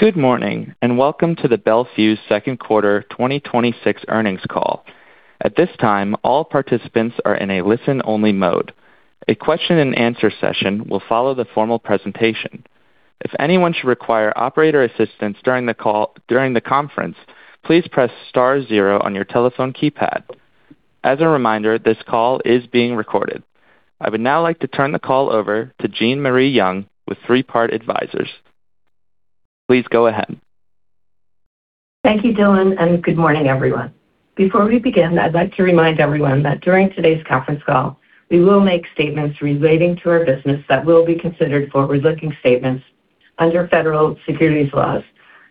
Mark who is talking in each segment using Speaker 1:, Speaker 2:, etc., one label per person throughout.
Speaker 1: Good morning, welcome to the Bel Fuse second quarter 2026 earnings call. At this time, all participants are in a listen-only mode. A question and answer session will follow the formal presentation. If anyone should require operator assistance during the conference, please press star zero on your telephone keypad. As a reminder, this call is being recorded. I would now like to turn the call over to Jean Marie Young with Three Part Advisors. Please go ahead.
Speaker 2: Thank you, Dylan, good morning, everyone. Before we begin, I'd like to remind everyone that during today's conference call, we will make statements relating to our business that will be considered forward-looking statements under federal securities laws,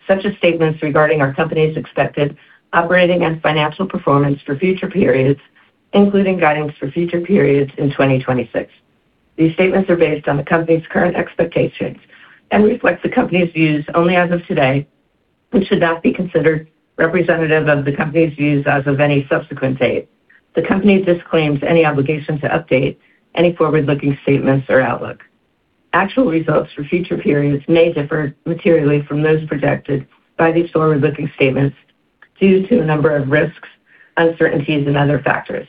Speaker 2: such as statements regarding our company's expected operating and financial performance for future periods, including guidance for future periods in 2026. These statements are based on the company's current expectations and reflect the company's views only as of today, should not be considered representative of the company's views as of any subsequent date. The company disclaims any obligation to update any forward-looking statements or outlook. Actual results for future periods may differ materially from those projected by these forward-looking statements due to a number of risks, uncertainties and other factors.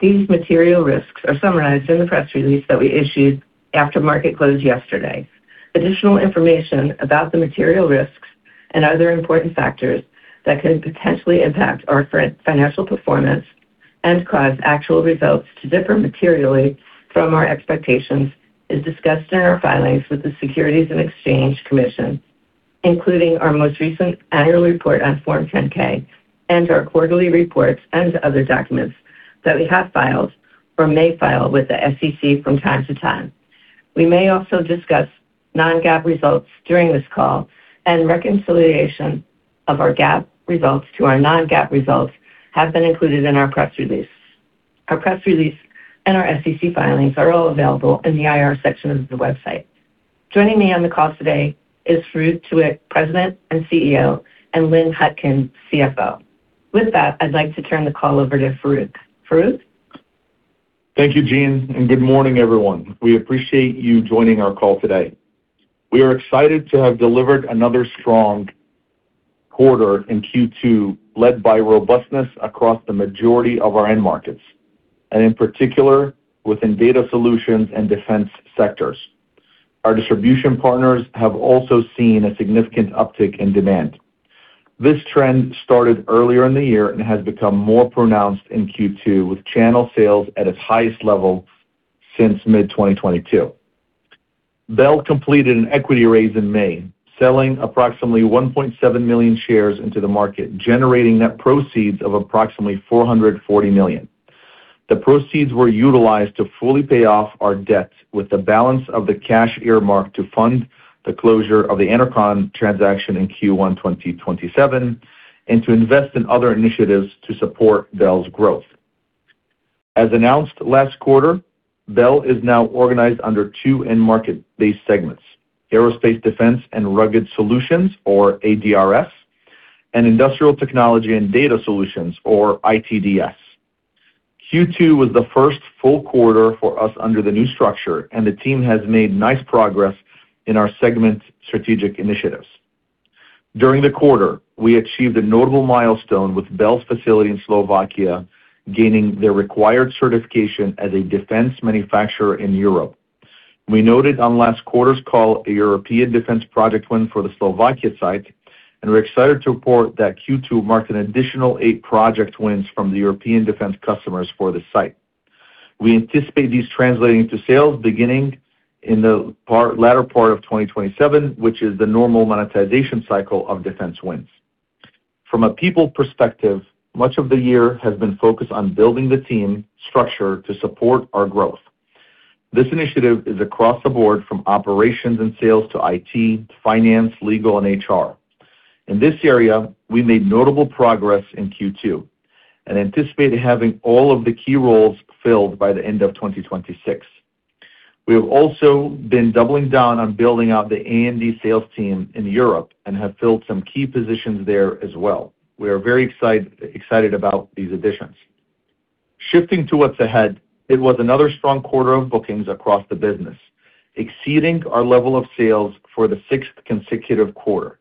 Speaker 2: These material risks are summarized in the press release that we issued after market close yesterday. Additional information about the material risks and other important factors that could potentially impact our financial performance and cause actual results to differ materially from our expectations is discussed in our filings with the Securities and Exchange Commission, including our most recent annual report on Form 10-K and our quarterly reports and other documents that we have filed or may file with the SEC from time to time. We may also discuss non-GAAP results during this call, reconciliation of our GAAP results to our non-GAAP results have been included in our press release. Our press release and our SEC filings are all available in the IR section of the website. Joining me on the call today is Farouq Tuweiq, President and CEO, Lynn Hutkin, CFO. With that, I'd like to turn the call over to Farouq. Farouq?
Speaker 3: Thank you, Jean, good morning, everyone. We appreciate you joining our call today. We are excited to have delivered another strong quarter in Q2, led by robustness across the majority of our end markets, in particular, within data solutions and defense sectors. Our distribution partners have also seen a significant uptick in demand. This trend started earlier in the year and has become more pronounced in Q2, with channel sales at its highest level since mid-2022. Bel completed an equity raise in May, selling approximately 1.7 million shares into the market, generating net proceeds of approximately $440 million. The proceeds were utilized to fully pay off our debt with the balance of the cash earmark to fund the closure of the Enercon transaction in Q1 2027, to invest in other initiatives to support Bel's growth. As announced last quarter, Bel is now organized under two end market-based segments, Aerospace, Defense & Rugged Solutions, or ADRS, and Industrial Technology & Data Solutions, or ITDS. Q2 was the first full quarter for us under the new structure, and the team has made nice progress in our segment strategic initiatives. During the quarter, we achieved a notable milestone with Bel's facility in Slovakia gaining the required certification as a defense manufacturer in Europe. We noted on last quarter's call a European defense project win for the Slovakia site, and we're excited to report that Q2 marked an additional eight project wins from the European defense customers for the site. We anticipate these translating into sales beginning in the latter part of 2027, which is the normal monetization cycle of defense wins. From a people perspective, much of the year has been focused on building the team structure to support our growth. This initiative is across the board from operations and sales to IT, finance, legal, and HR. In this area, we made notable progress in Q2 and anticipate having all of the key roles filled by the end of 2026. We have also been doubling down on building out the A&D sales team in Europe and have filled some key positions there as well. We are very excited about these additions. Shifting to what's ahead, it was another strong quarter of bookings across the business, exceeding our level of sales for the sixth consecutive quarter.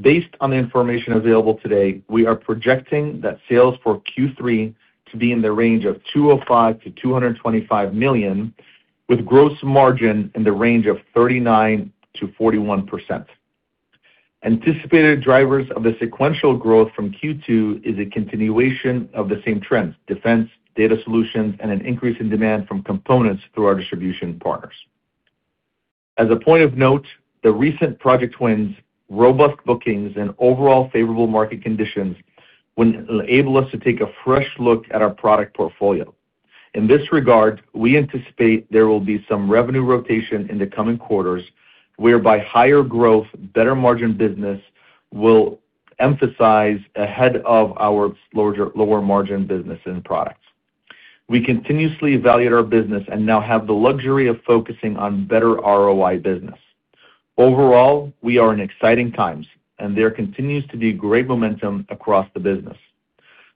Speaker 3: Based on the information available today, we are projecting that sales for Q3 to be in the range of $205 million-$225 million, with gross margin in the range of 39%-41%. Anticipated drivers of the sequential growth from Q2 is a continuation of the same trends: defense, data solutions, and an increase in demand from components through our distribution partners. As a point of note, the recent project wins, robust bookings, and overall favorable market conditions will enable us to take a fresh look at our product portfolio. In this regard, we anticipate there will be some revenue rotation in the coming quarters whereby higher growth, better margin business will emphasize ahead of our lower margin business end products. We continuously evaluate our business and now have the luxury of focusing on better ROI business. Overall, we are in exciting times, and there continues to be great momentum across the business.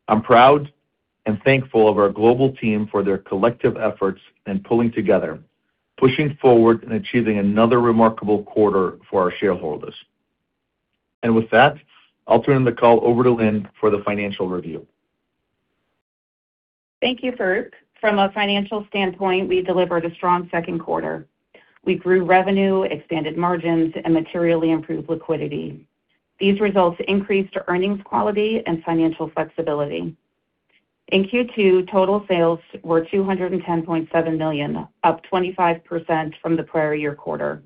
Speaker 3: I'm proud and thankful of our global team for their collective efforts in pulling together, pushing forward, and achieving another remarkable quarter for our shareholders. With that, I'll turn the call over to Lynn for the financial review.
Speaker 4: Thank you, Farouq. From a financial standpoint, we delivered a strong second quarter. We grew revenue, expanded margins, and materially improved liquidity. These results increased earnings quality and financial flexibility. In Q2, total sales were $210.7 million, up 25% from the prior year quarter.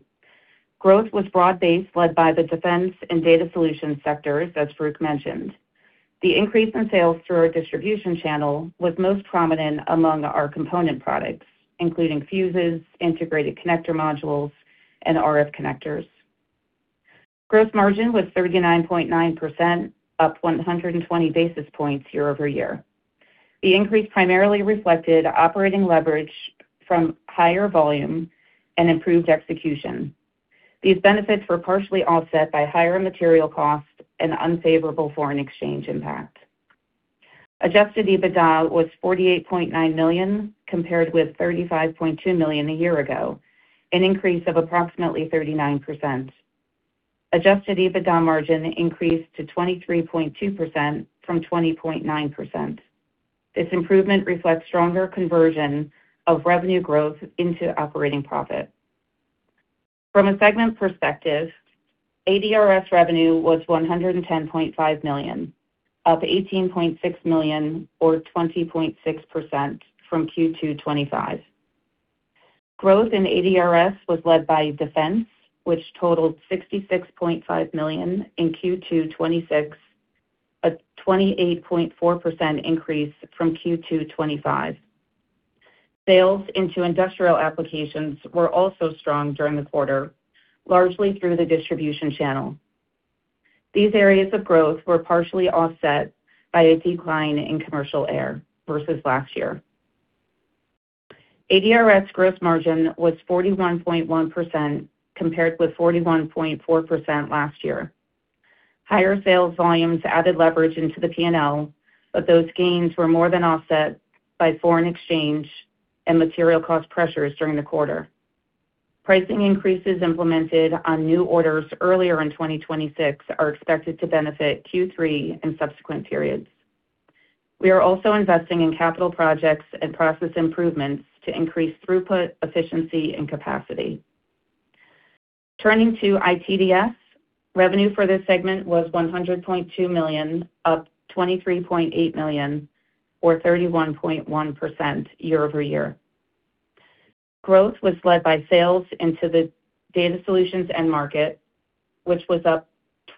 Speaker 4: Growth was broad-based, led by the defense and data solution sectors, as Farouq mentioned. The increase in sales through our distribution channel was most prominent among our component products, including fuses, integrated connector modules, and RF connectors. Gross margin was 39.9%, up 120 basis points year-over-year. The increase primarily reflected operating leverage from higher volume and improved execution. These benefits were partially offset by higher material costs and unfavorable foreign exchange impact. Adjusted EBITDA was $48.9 million, compared with $35.2 million a year ago, an increase of approximately 39%. Adjusted EBITDA margin increased to 23.2% from 20.9%. This improvement reflects stronger conversion of revenue growth into operating profit. From a segment perspective, ADRS revenue was $110.5 million, up $18.6 million or 20.6% from Q2 2025. Growth in ADRS was led by defense, which totaled $66.5 million in Q2 2026, a 28.4% increase from Q2 2025. Sales into industrial applications were also strong during the quarter, largely through the distribution channel. These areas of growth were partially offset by a decline in commercial air versus last year. ADRS gross margin was 41.1%, compared with 41.4% last year. Higher sales volumes added leverage into the P&L, but those gains were more than offset by foreign exchange and material cost pressures during the quarter. Pricing increases implemented on new orders earlier in 2026 are expected to benefit Q3 and subsequent periods. We are also investing in capital projects and process improvements to increase throughput, efficiency, and capacity. Turning to ITDS. Revenue for this segment was $100.2 million, up $23.8 million or 31.1% year-over-year. Growth was led by sales into the data solutions end market, which was up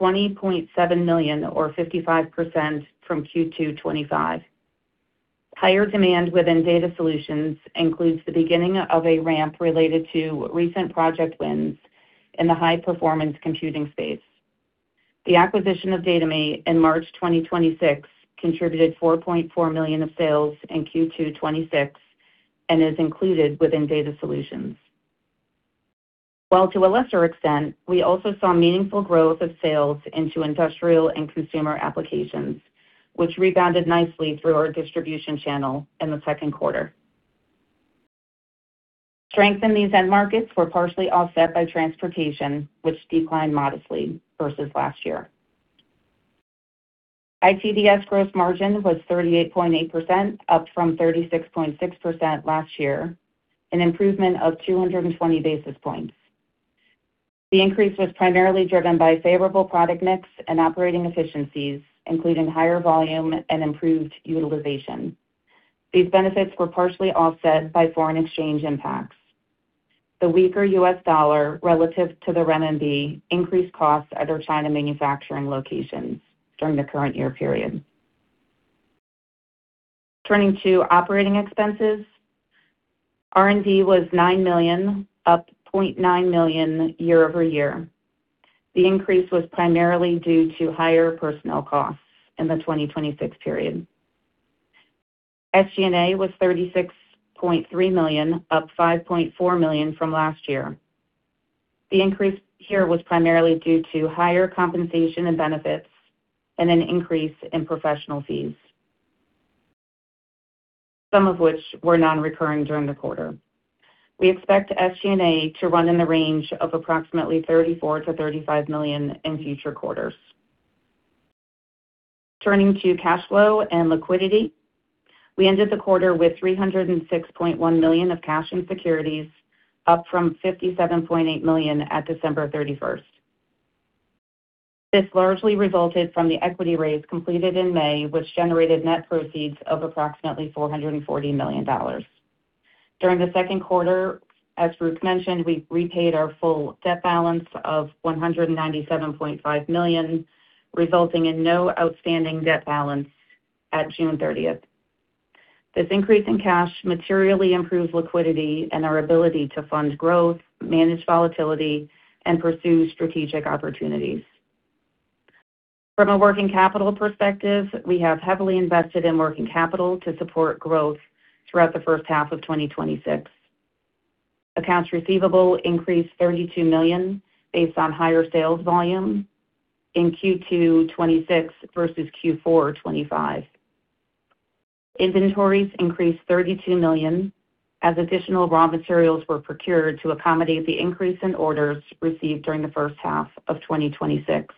Speaker 4: $20.7 million or 55% from Q2 2025. Higher demand within data solutions includes the beginning of a ramp related to recent project wins in the high-performance computing space. The acquisition of dataMate in March 2026 contributed $4.4 million of sales in Q2 2026 and is included within data solutions. While to a lesser extent, we also saw meaningful growth of sales into industrial and consumer applications, which rebounded nicely through our distribution channel in the second quarter. Strength in these end markets were partially offset by transportation, which declined modestly versus last year. ITDS gross margin was 38.8%, up from 36.6% last year, an improvement of 220 basis points. The increase was primarily driven by favorable product mix and operating efficiencies, including higher volume and improved utilization. These benefits were partially offset by foreign exchange impacts. The weaker U.S. dollar relative to the renminbi increased costs at our China manufacturing locations during the current year period. Turning to operating expenses. R&D was $9 million, up $0.9 million year-over-year. The increase was primarily due to higher personnel costs in the 2026 period. SG&A was $36.3 million, up $5.4 million from last year. The increase here was primarily due to higher compensation and benefits and an increase in professional fees, some of which were non-recurring during the quarter. We expect SG&A to run in the range of approximately $34 million-$35 million in future quarters. Turning to cash flow and liquidity. We ended the quarter with $306.1 million of cash and securities, up from $57.8 million at December 31st. This largely resulted from the equity raise completed in May, which generated net proceeds of approximately $440 million. During the second quarter, as Farouq mentioned, we repaid our full debt balance of $197.5 million, resulting in no outstanding debt balance at June 30th. This increase in cash materially improves liquidity and our ability to fund growth, manage volatility, and pursue strategic opportunities. From a working capital perspective, we have heavily invested in working capital to support growth throughout the first half of 2026. Accounts receivable increased $32 million based on higher sales volume in Q2 2026 versus Q4 2025. Inventories increased $32 million as additional raw materials were procured to accommodate the increase in orders received during the first half of 2026.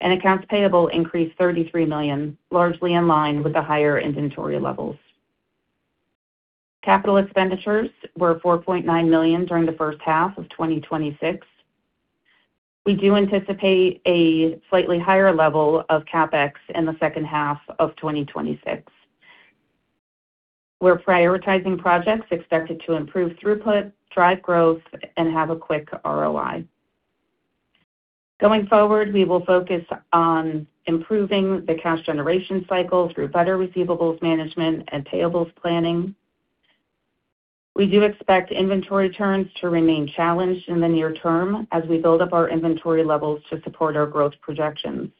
Speaker 4: Accounts payable increased $33 million, largely in line with the higher inventory levels. Capital expenditures were $4.9 million during the first half of 2026. We do anticipate a slightly higher level of CapEx in the second half of 2026. We're prioritizing projects expected to improve throughput, drive growth, and have a quick ROI. Going forward, we will focus on improving the cash generation cycle through better receivables management and payables planning. We do expect inventory turns to remain challenged in the near term as we build up our inventory levels to support our growth projections.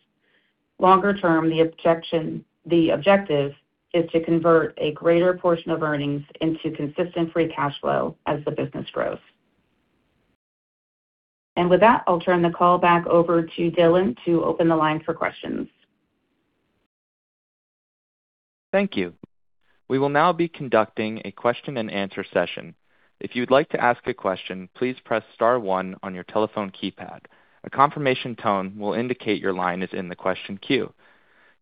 Speaker 4: Longer term, the objective is to convert a greater portion of earnings into consistent free cash flow as the business grows. With that, I'll turn the call back over to Dylan to open the line for questions.
Speaker 1: Thank you. We will now be conducting a question and answer session. If you'd like to ask a question, please press star one on your telephone keypad. A confirmation tone will indicate your line is in the question queue.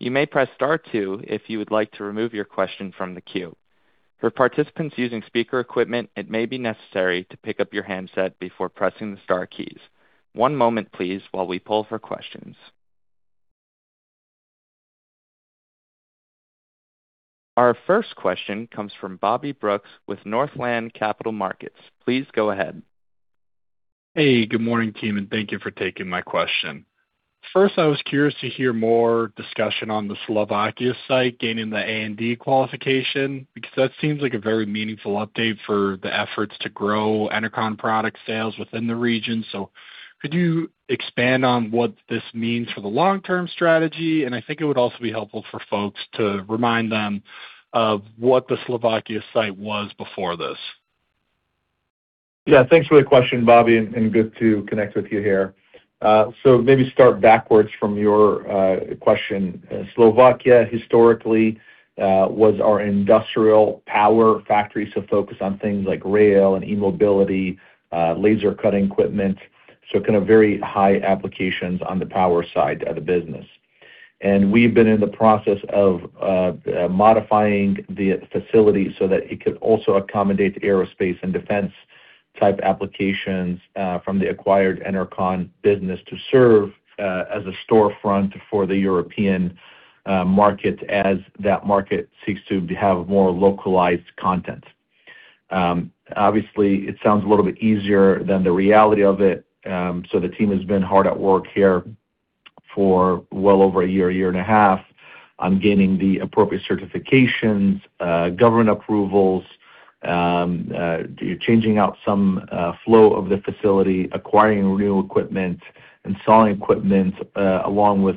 Speaker 1: You may press star two if you would like to remove your question from the queue. For participants using speaker equipment, it may be necessary to pick up your handset before pressing the star keys. One moment please while we poll for questions. Our first question comes from Bobby Brooks with Northland Capital Markets. Please go ahead.
Speaker 5: Hey, good morning, team, thank you for taking my question. First, I was curious to hear more discussion on the Slovakia site gaining the A&D qualification, because that seems like a very meaningful update for the efforts to grow Enercon product sales within the region. Could you expand on what this means for the long-term strategy? I think it would also be helpful for folks to remind them of what the Slovakia site was before this.
Speaker 3: Thanks for the question, Bobby, and good to connect with you here. Maybe start backwards from your question. Slovakia historically, was our industrial power factory, so focused on things like rail and e-mobility, laser cutting equipment. Kind of very high applications on the power side of the business. We've been in the process of modifying the facility so that it could also accommodate aerospace and defense type applications, from the acquired Enercon business to serve as a storefront for the European market as that market seeks to have more localized content. Obviously, it sounds a little bit easier than the reality of it. The team has been hard at work here for well over a year and a half on gaining the appropriate certifications, government approvals, changing out some flow of the facility, acquiring new equipment, installing equipment, along with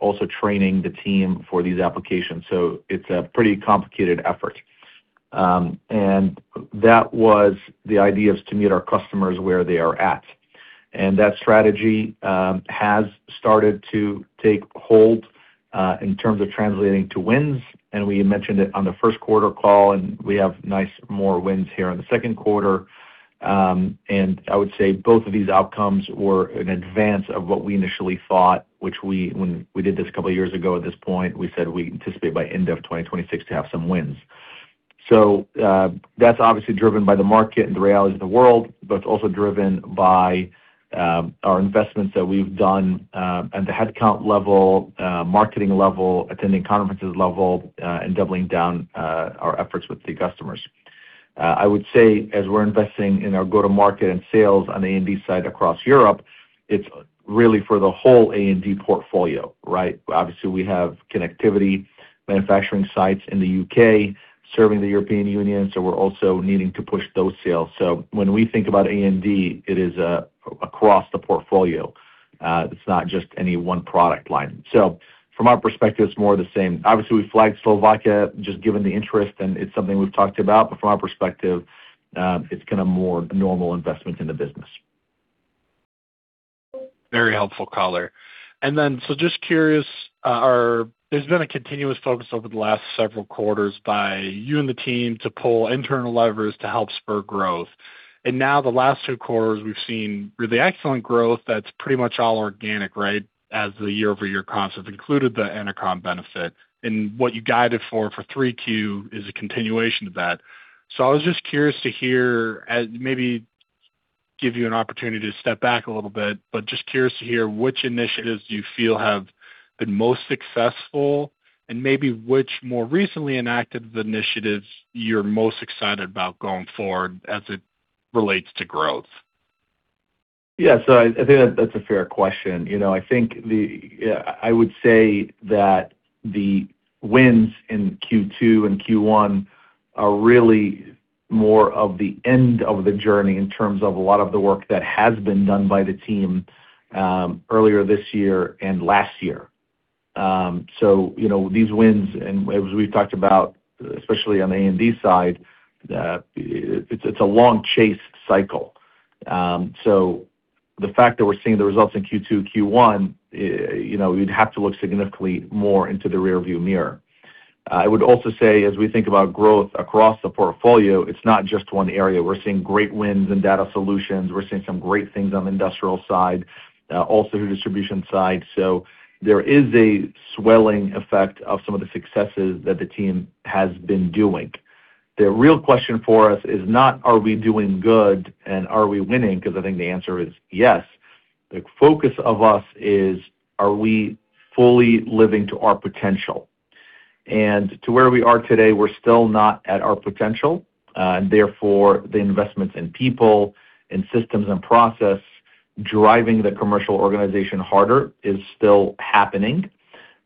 Speaker 3: also training the team for these applications. It's a pretty complicated effort. That was the idea is to meet our customers where they are at. That strategy has started to take hold, in terms of translating to wins. We mentioned it on the first quarter call, and we have nice more wins here on the second quarter. I would say both of these outcomes were in advance of what we initially thought, which we did this a couple of years ago at this point, we said we anticipate by end of 2026 to have some wins. That's obviously driven by the market and the realities of the world, but also driven by our investments that we've done, at the headcount level, marketing level, attending conferences level, and doubling down our efforts with the customers. I would say as we're investing in our go-to market and sales on the A&D side across Europe, it's really for the whole A&D portfolio, right? Obviously, we have connectivity manufacturing sites in the UK serving the European Union, so we're also needing to push those sales. When we think about A&D, it is across the portfolio. It's not just any one product line. From our perspective, it's more of the same. Obviously, we flagged Slovakia just given the interest, and it's something we've talked about, but from our perspective, it's kind of more normal investment in the business.
Speaker 5: Very helpful, color. Just curious, there's been a continuous focus over the last several quarters by you and the team to pull internal levers to help spur growth. Now the last two quarters we've seen really excellent growth that's pretty much all organic, right? As the year-over-year comps have included the Enercon benefit. What you guided for 3Q is a continuation of that. I was just curious to hear, and maybe give you an opportunity to step back a little bit, but just curious to hear which initiatives do you feel have been most successful and maybe which more recently enacted initiatives you're most excited about going forward as it relates to growth?
Speaker 3: Yeah. I think that's a fair question. I would say that the wins in Q2 and Q1 are really more of the end of the journey in terms of a lot of the work that has been done by the team earlier this year and last year. These wins, and as we've talked about, especially on the A&D side, it's a long chase cycle. The fact that we're seeing the results in Q2, Q1, you'd have to look significantly more into the rear view mirror. I would also say, as we think about growth across the portfolio, it's not just one area. We're seeing great wins in data solutions. We're seeing some great things on the industrial side, also the distribution side. There is a swelling effect of some of the successes that the team has been doing. The real question for us is not, are we doing good and are we winning? Because I think the answer is yes. The focus of us is, are we fully living to our potential? To where we are today, we're still not at our potential, and therefore the investments in people, in systems and process, driving the commercial organization harder is still happening.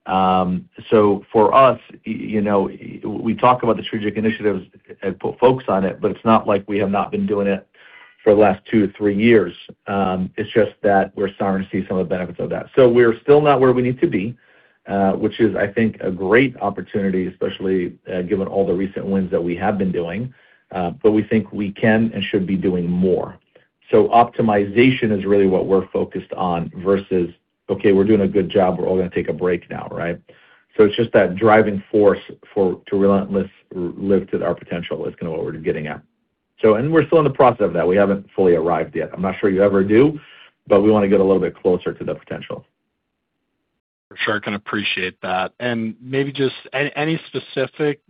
Speaker 3: For us, we talk about the strategic initiatives and put focus on it, but it's not like we have not been doing it for the last two to three years. It's just that we're starting to see some of the benefits of that. We're still not where we need to be, which is, I think, a great opportunity, especially given all the recent wins that we have been doing, but we think we can and should be doing more. Optimization is really what we're focused on versus, okay, we're doing a good job. We're all going to take a break now, right? It's just that driving force to relentlessly live to our potential is kind of what we're getting at. We're still in the process of that. We haven't fully arrived yet. I'm not sure you ever do, but we want to get a little bit closer to the potential.
Speaker 5: For sure. I can appreciate that. Maybe just any specific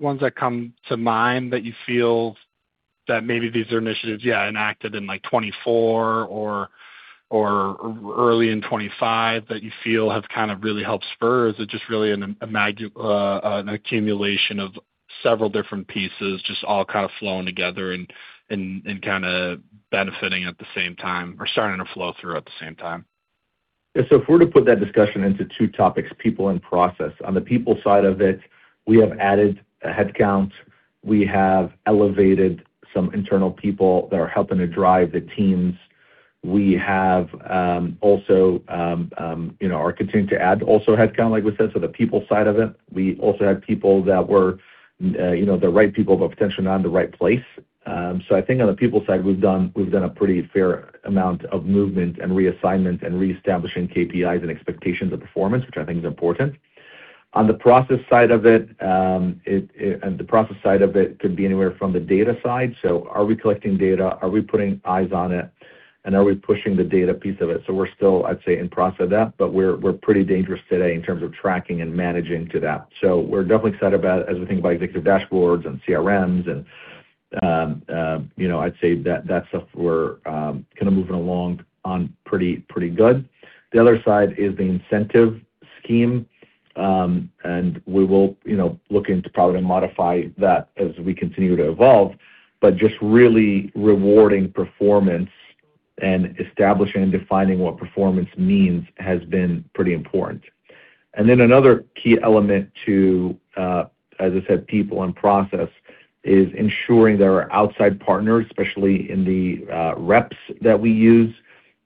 Speaker 5: ones that come to mind that you feel that maybe these are initiatives, yeah, enacted in 2024 or early in 2025 that you feel have kind of really helped spur? Is it just really an accumulation of several different pieces, just all kind of flowing together and kind of benefiting at the same time or starting to flow through at the same time?
Speaker 3: Yeah. If we're to put that discussion into two topics, people and process. On the people side of it, we have added a headcount. We have elevated some internal people that are helping to drive the teams. We are continuing to add headcount, like we said. The people side of it, we also had people that were the right people, but potentially not in the right place. I think on the people side, we've done a pretty fair amount of movement and reassignment and reestablishing KPIs and expectations of performance, which I think is important. On the process side of it, the process side of it could be anywhere from the data side. Are we collecting data? Are we putting eyes on it? Are we pushing the data piece of it? We're still, I'd say, in process of that, but we're pretty dangerous today in terms of tracking and managing to that. We're definitely excited about as we think about executive dashboards and CRMs, and I'd say that stuff we're kind of moving along on pretty good. The other side is the incentive scheme, and we will look into probably modify that as we continue to evolve, but just really rewarding performance and establishing and defining what performance means has been pretty important. Another key element to, as I said, people and process, is ensuring there are outside partners, especially in the reps that we use.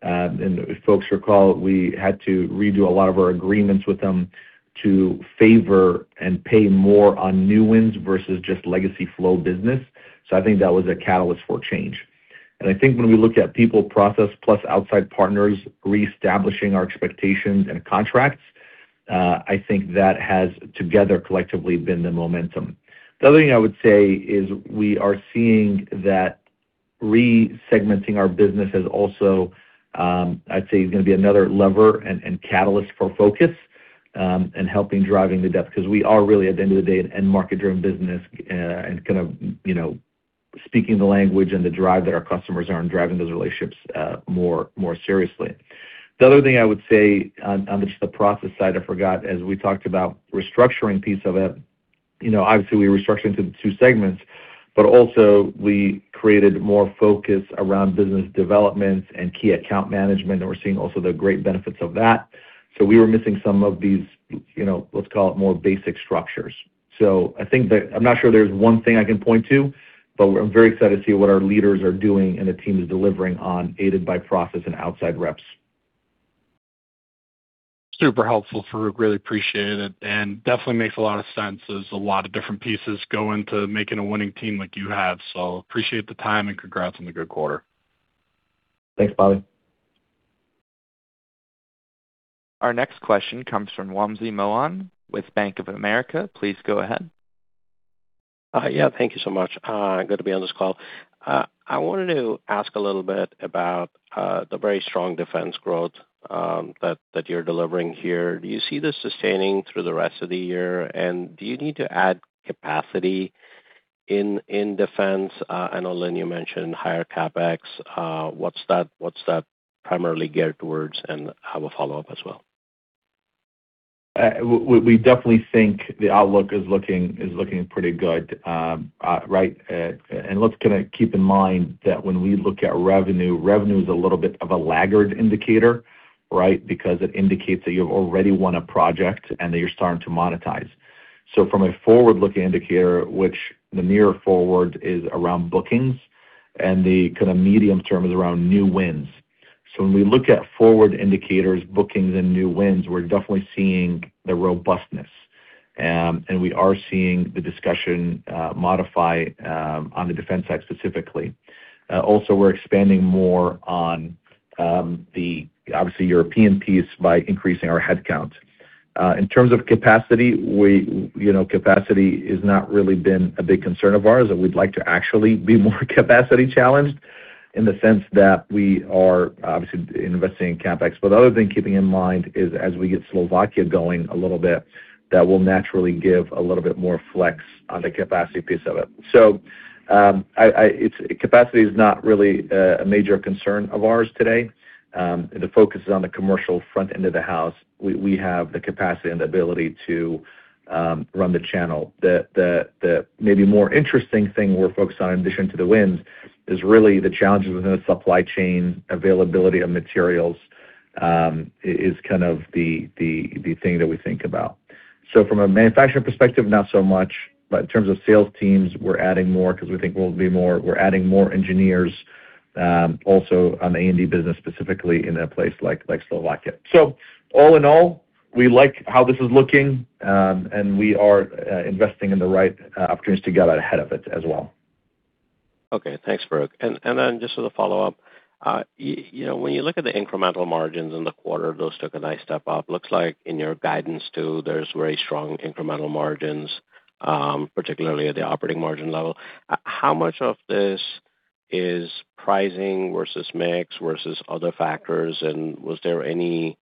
Speaker 3: If folks recall, we had to redo a lot of our agreements with them to favor and pay more on new wins versus just legacy flow business. I think that was a catalyst for change. I think when we look at people, process, plus outside partners reestablishing our expectations and contracts, I think that has together collectively been the momentum. The other thing I would say is we are seeing that re-segmenting our business has also, I'd say, is going to be another lever and catalyst for focus, and helping driving the depth because we are really, at the end of the day, an end market-driven business and kind of speaking the language and the drive that our customers are and driving those relationships more seriously. The other thing I would say on just the process side, I forgot, as we talked about restructuring piece of it, obviously we were structured into two segments, but also we created more focus around business development and key account management, and we're seeing also the great benefits of that. We were missing some of these, let's call it more basic structures. I'm not sure there's one thing I can point to, but I'm very excited to see what our leaders are doing and the team is delivering on, aided by process and outside reps.
Speaker 5: Super helpful, Farouq. Definitely makes a lot of sense as a lot of different pieces go into making a winning team like you have. Appreciate the time, and congrats on the good quarter.
Speaker 3: Thanks, Bobby.
Speaker 1: Our next question comes from Wamsi Mohan with Bank of America. Please go ahead.
Speaker 6: Thank you so much. Good to be on this call. I wanted to ask a little bit about the very strong defense growth that you're delivering here. Do you see this sustaining through the rest of the year, and do you need to add capacity in defense? I know, Lynn, you mentioned higher CapEx. What's that primarily geared towards, I have a follow-up as well.
Speaker 3: We definitely think the outlook is looking pretty good. Right. Let's kind of keep in mind that when we look at revenue is a little bit of a laggard indicator, right? Because it indicates that you've already won a project and that you're starting to monetize. From a forward-looking indicator, which the near forward is around bookings. The kind of medium term is around new wins. When we look at forward indicators, bookings and new wins, we're definitely seeing the robustness. We are seeing the discussion modify on the defense side specifically. We're expanding more on the, obviously, European piece by increasing our headcount. In terms of capacity has not really been a big concern of ours, and we'd like to actually be more capacity challenged in the sense that we are obviously investing in CapEx. The other thing keeping in mind is as we get Slovakia going a little bit, that will naturally give a little bit more flex on the capacity piece of it. Capacity is not really a major concern of ours today. The focus is on the commercial front end of the house. We have the capacity and the ability to run the channel. The maybe more interesting thing we're focused on in addition to the wins is really the challenges within the supply chain, availability of materials, is kind of the thing that we think about. From a manufacturing perspective, not so much, but in terms of sales teams, we're adding more because we think we'll be more. We're adding more engineers, also on the A&D business, specifically in a place like Slovakia. All in all, we like how this is looking, and we are investing in the right opportunities to get out ahead of it as well.
Speaker 6: Okay, thanks, Farouq. Just as a follow-up, when you look at the incremental margins in the quarter, those took a nice step up. Looks like in your guidance too, there's very strong incremental margins, particularly at the operating margin level. How much of this is pricing versus mix versus other factors? Was there any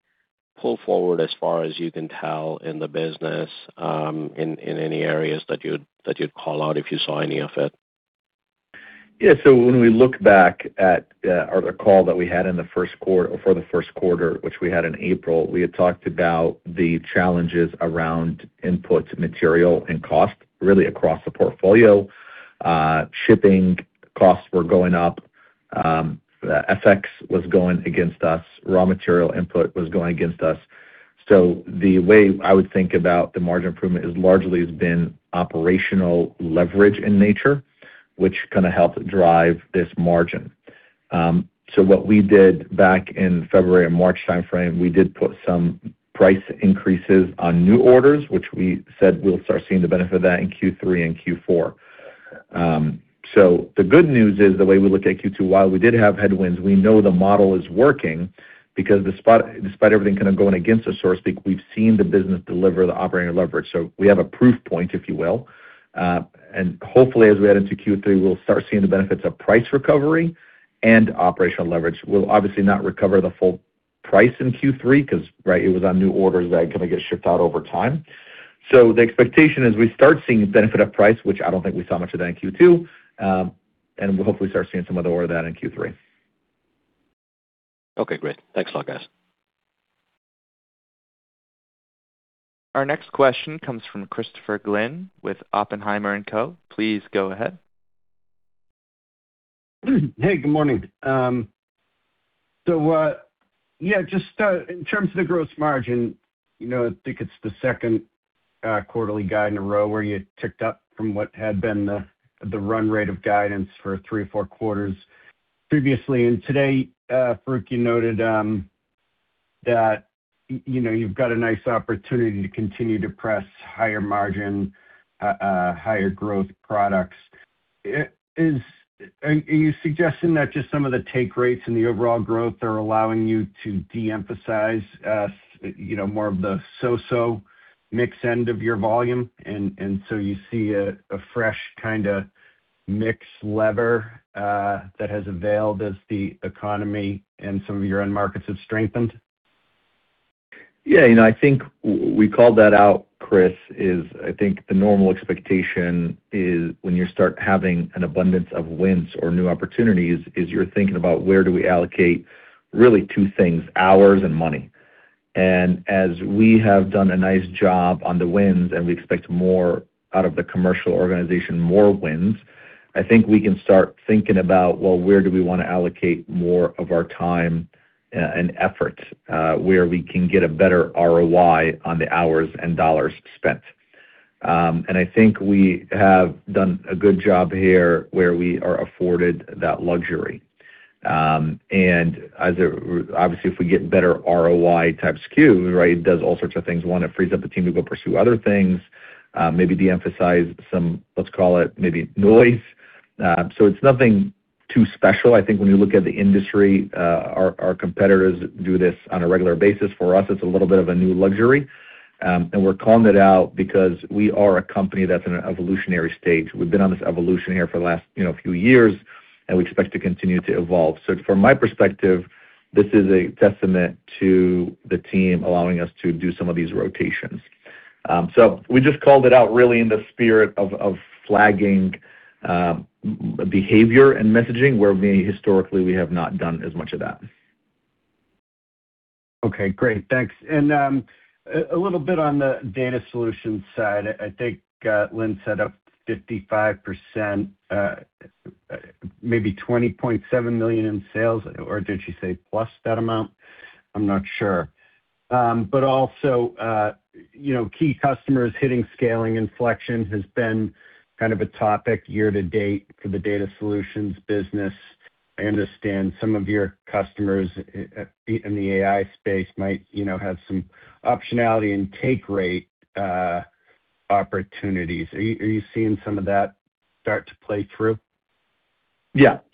Speaker 6: pull forward as far as you can tell in the business, in any areas that you'd call out if you saw any of it?
Speaker 3: When we look back at our call that we had for the first quarter, which we had in April, we had talked about the challenges around input material and cost, really across the portfolio. Shipping costs were going up, FX was going against us, raw material input was going against us. The way I would think about the margin improvement is largely it's been operational leverage in nature, which kind of helped drive this margin. What we did back in February and March timeframe, we did put some price increases on new orders, which we said we'll start seeing the benefit of that in Q3 and Q4. The good news is the way we look at Q2, while we did have headwinds, we know the model is working because despite everything kind of going against us so to speak, we've seen the business deliver the operating leverage. We have a proof point, if you will. Hopefully, as we add into Q3, we'll start seeing the benefits of price recovery and operational leverage. We'll obviously not recover the full price in Q3 because, right, it was on new orders that kind of get shipped out over time. The expectation is we start seeing benefit of price, which I don't think we saw much of that in Q2, and we'll hopefully start seeing some of the order of that in Q3.
Speaker 6: Okay, great. Thanks a lot, guys.
Speaker 1: Our next question comes from Christopher Glynn with Oppenheimer & Co. Please go ahead.
Speaker 7: Hey, good morning. Just in terms of the gross margin, I think it's the second quarterly guide in a row where you ticked up from what had been the run rate of guidance for 3 or 4 quarters previously. Today, Farouq, you noted that you've got a nice opportunity to continue to press higher margin, higher growth products. Are you suggesting that just some of the take rates and the overall growth are allowing you to de-emphasize more of the so-so mix end of your volume, and so you see a fresh kind of mix lever that has availed as the economy and some of your end markets have strengthened?
Speaker 3: Yeah. I think we called that out, Chris, is I think the normal expectation is when you start having an abundance of wins or new opportunities, is you're thinking about where do we allocate really two things, hours and money. As we have done a nice job on the wins and we expect more out of the commercial organization, more wins, I think we can start thinking about, where do we want to allocate more of our time and effort? Where we can get a better ROI on the hours and dollars spent. I think we have done a good job here where we are afforded that luxury. If we get better ROI type SKUs, right, it does all sorts of things. One, it frees up the team to go pursue other things, maybe de-emphasize some, let's call it, maybe noise. It's nothing too special. I think when you look at the industry, our competitors do this on a regular basis. For us, it's a little bit of a new luxury, and we're calling it out because we are a company that's in an evolutionary stage. We've been on this evolution here for the last few years, and we expect to continue to evolve. From my perspective, this is a testament to the team allowing us to do some of these rotations. We just called it out really in the spirit of flagging behavior and messaging where historically we have not done as much of that.
Speaker 7: Okay, great. Thanks. A little bit on the Data Solutions side. I think Lynn said up 55%, maybe $20.7 million in sales, or did she say plus that amount? I'm not sure. Key customers hitting scaling inflection has been kind of a topic year-to-date for the Data Solutions business. I understand some of your customers in the AI space might have some optionality and take rate opportunities. Are you seeing some of that start to play through?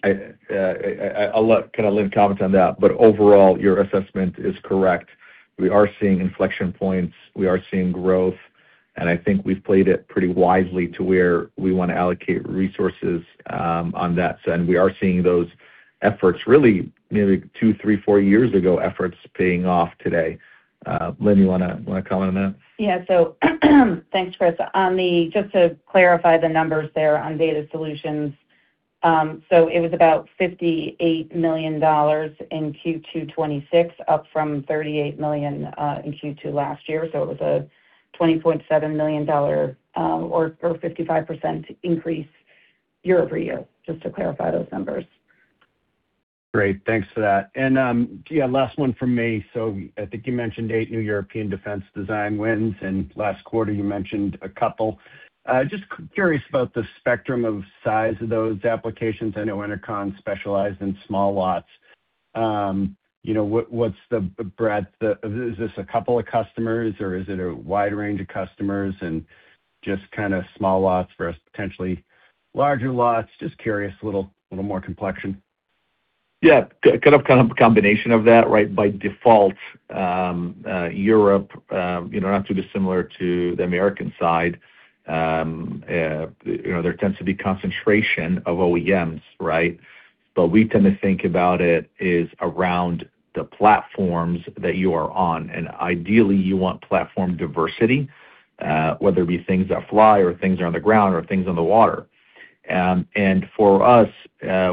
Speaker 3: I'll let kind of Lynn comment on that. Overall, your assessment is correct. We are seeing inflection points. We are seeing growth. I think we've played it pretty wisely to where we want to allocate resources on that. We are seeing those efforts, really maybe two, three, four years ago efforts paying off today. Lynn, you want to comment on that?
Speaker 4: Thanks, Chris. Just to clarify the numbers there on data solutions. It was about $58 million in Q2 2026, up from $38 million in Q2 last year. It was a $20.7 million, or 55% increase year-over-year, just to clarify those numbers.
Speaker 7: Great. Thanks for that. Last one from me. I think you mentioned eight new European defense design wins, and last quarter you mentioned a couple. Just curious about the spectrum of size of those applications. I know Enercon specialized in small lots. What's the breadth? Is this a couple of customers, or is it a wide range of customers and just kind of small lots versus potentially larger lots? Just curious, a little more complexion.
Speaker 3: Kind of a combination of that, right? By default, Europe, not too dissimilar to the American side. There tends to be concentration of OEMs, right? We tend to think about it is around the platforms that you are on, and ideally you want platform diversity, whether it be things that fly or things that are on the ground or things on the water. For us,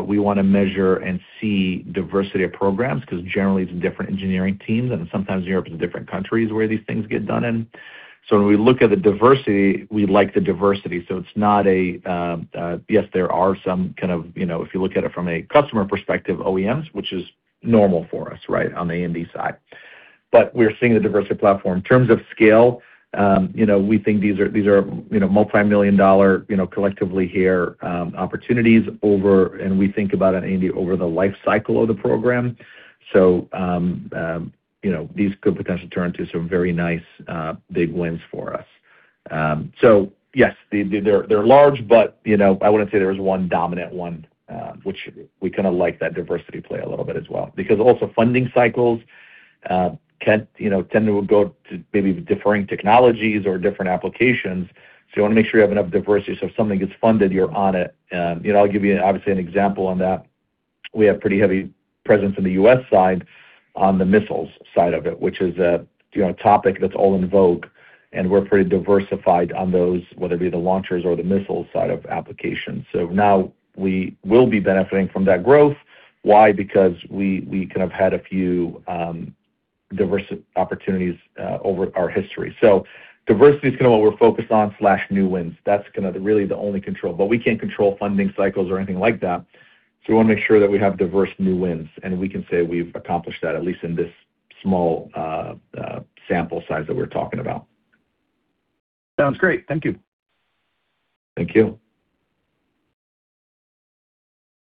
Speaker 3: we want to measure and see diversity of programs, because generally it's in different engineering teams, and sometimes Europe is in different countries where these things get done in. When we look at the diversity, we like the diversity. It's not a, yes, there are some kind of, if you look at it from a customer perspective, OEMs, which is normal for us, right, on the A&D side. We're seeing the diversity platform. In terms of scale, we think these are multimillion-dollar, collectively here, opportunities over, and we think about it, Andy, over the life cycle of the program. These could potentially turn into some very nice, big wins for us. Yes, they're large, but I wouldn't say there's one dominant one, which we kind of like that diversity play a little bit as well. Also funding cycles tend to go to maybe differing technologies or different applications. You want to make sure you have enough diversity, so if something gets funded, you're on it. I'll give you, obviously, an example on that. We have pretty heavy presence in the US side on the missiles side of it, which is a topic that's all in vogue, and we're pretty diversified on those, whether it be the launchers or the missiles side of applications. Now we will be benefiting from that growth. Why? We kind of had a few diverse opportunities over our history. Diversity is kind of what we're focused on, slash, new wins. That's kind of really the only control. We can't control funding cycles or anything like that, so we want to make sure that we have diverse new wins, and we can say we've accomplished that, at least in this small sample size that we're talking about.
Speaker 7: Sounds great. Thank you.
Speaker 3: Thank you.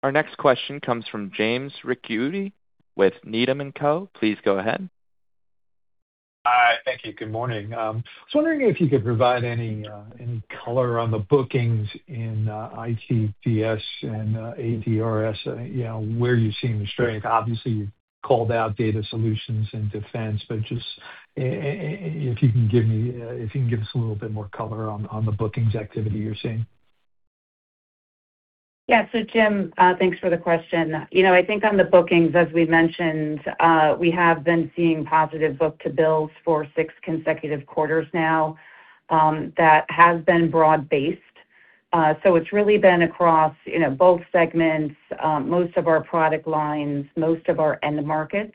Speaker 1: Our next question comes from James Ricchiuti with Needham & Co. Please go ahead.
Speaker 8: Hi. Thank you. Good morning. I was wondering if you could provide any color on the bookings in ITDS and ADRS, where you're seeing the strength. You've called out data solutions and defense, but just if you can give us a little bit more color on the bookings activity you're seeing.
Speaker 4: Jim, thanks for the question. I think on the bookings, as we mentioned, we have been seeing positive book to bills for six consecutive quarters now. That has been broad-based. It's really been across both segments, most of our product lines, most of our end markets.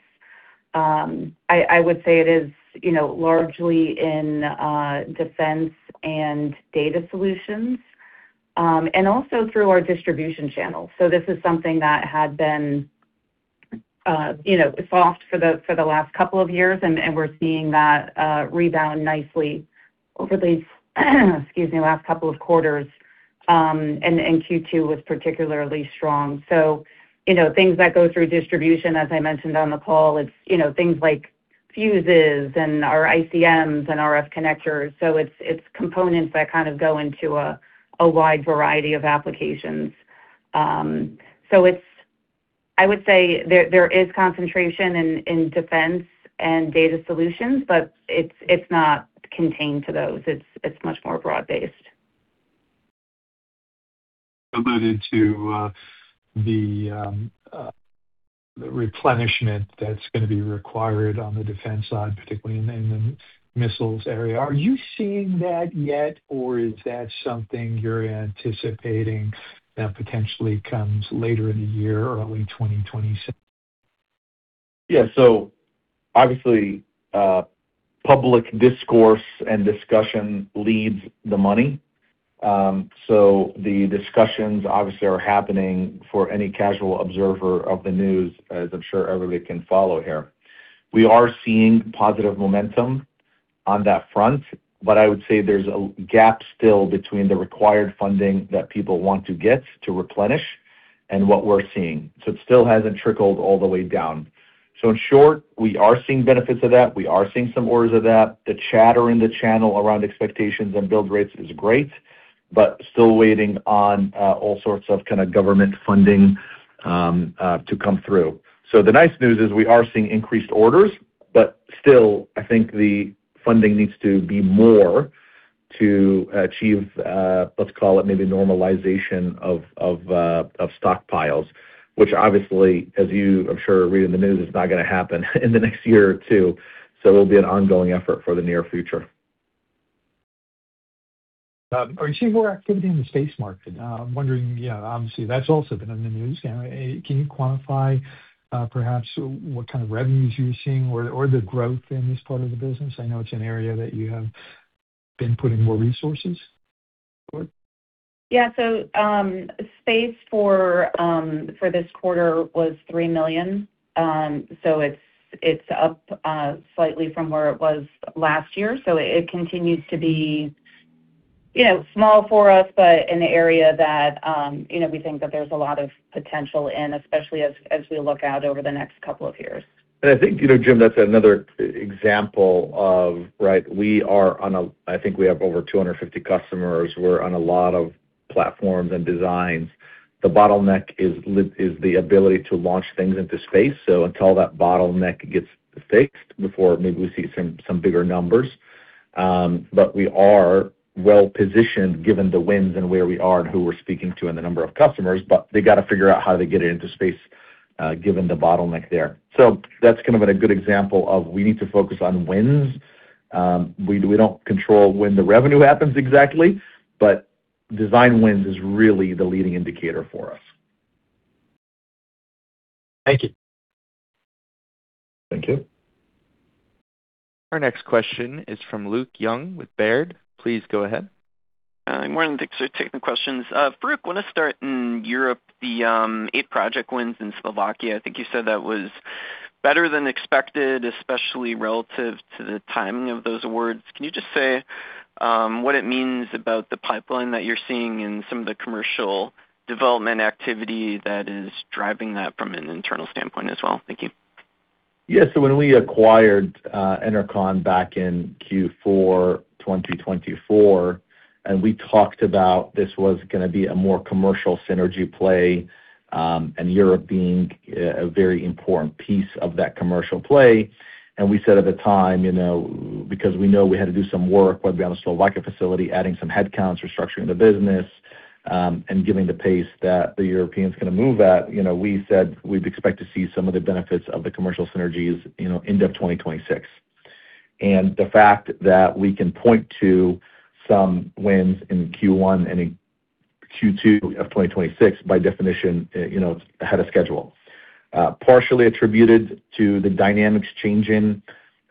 Speaker 4: I would say it is largely in defense and data solutions, and also through our distribution channel. This is something that had been soft for the last couple of years, and we're seeing that rebound nicely over the excuse me, last couple of quarters. Q2 was particularly strong. Things that go through distribution, as I mentioned on the call, it's things like fuses and our ICMs and RF connectors. It's components that kind of go into a wide variety of applications. I would say there is concentration in defense and data solutions, but it's not contained to those. It's much more broad based.
Speaker 8: How about into the replenishment that's going to be required on the defense side, particularly in the missiles area? Are you seeing that yet, or is that something you're anticipating that potentially comes later in the year, early 2026?
Speaker 3: Yeah. Obviously, public discourse and discussion leads the money. The discussions obviously are happening for any casual observer of the news, as I'm sure everybody can follow here. We are seeing positive momentum on that front, I would say there's a gap still between the required funding that people want to get to replenish and what we're seeing. It still hasn't trickled all the way down. In short, we are seeing benefits of that. We are seeing some orders of that. The chatter in the channel around expectations and build rates is great, still waiting on all sorts of government funding to come through. The nice news is we are seeing increased orders, still, I think the funding needs to be more to achieve, let's call it maybe normalization of stockpiles, which obviously, as you I'm sure read in the news, is not going to happen in the next year or two. It'll be an ongoing effort for the near future.
Speaker 8: Are you seeing more activity in the space market? I'm wondering, obviously, that's also been in the news. Can you quantify perhaps what kind of revenues you're seeing or the growth in this part of the business? I know it's an area that you have been putting more resources toward.
Speaker 4: Yeah. Space for this quarter was $3 million. It's up slightly from where it was last year. It continues to be small for us, but in the area that we think that there's a lot of potential in, especially as we look out over the next couple of years.
Speaker 3: I think, Jim, that's another example of, I think we have over 250 customers. We're on a lot of platforms and designs. The bottleneck is the ability to launch things into space. Until that bottleneck gets fixed, before maybe we see some bigger numbers. We are well-positioned given the wins and where we are and who we're speaking to and the number of customers, but they got to figure out how to get it into space given the bottleneck there. That's kind of a good example of we need to focus on wins. We don't control when the revenue happens exactly, but design wins is really the leading indicator for us.
Speaker 8: Thank you.
Speaker 3: Thank you.
Speaker 1: Our next question is from Luke Young with Baird. Please go ahead.
Speaker 9: Morning. Thanks for taking the questions. Farouq, I want to start in Europe, the eight project wins in Slovakia. I think you said that was better than expected, especially relative to the timing of those awards. Can you just say what it means about the pipeline that you're seeing in some of the commercial development activity that is driving that from an internal standpoint as well? Thank you.
Speaker 3: When we acquired Enercon back in Q4 2024, we talked about this was going to be a more commercial synergy play, Europe being a very important piece of that commercial play. We said at the time, because we know we had to do some work, whether it be on the Slovakia facility, adding some headcounts, restructuring the business, given the pace that the Europeans going to move at, we said we'd expect to see some of the benefits of the commercial synergies end of 2026. The fact that we can point to some wins in Q1 and in Q2 of 2026, by definition, it's ahead of schedule. Partially attributed to the dynamics changing